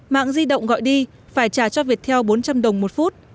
mạng di động gọi đi phải trả cho viettel bốn trăm linh đồng một phút